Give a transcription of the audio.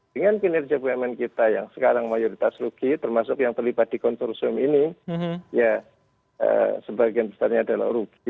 dengan kinerja bumn kita yang sekarang mayoritas rugi termasuk yang terlibat di konsorsium ini ya sebagian besarnya adalah rugi